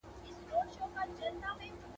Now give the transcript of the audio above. دا د ستونزو د حل لپاره ډېره مهمه ده.